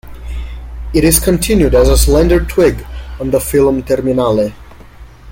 It is continued as a slender twig on the filum terminale.